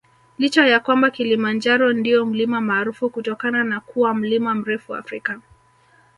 Licha ya kwamba Kilimanjaro ndio mlima maarufu kutokana na kuwa mlima mrefu Afrika